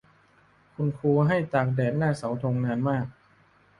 คุณครูให้ตากแดดหน้าเสาธงนานมาก